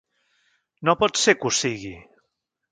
No pot ser que ho sigui!